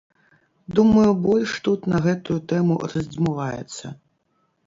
Думаю, больш тут на гэтую тэму раздзьмуваецца.